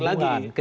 tidak mungkin lagi